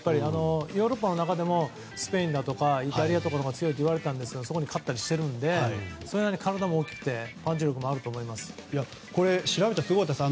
ヨーロッパの中でもスペインだとかイタリアが強いといわれていますがそこに勝ったりしているのでそれなりに体も大きくて調べたらすごかったです。